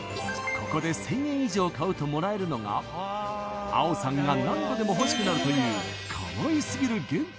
ここで１０００円以上買うともらえるのがあおさんが何度でも欲しくなるというかわいすぎる限定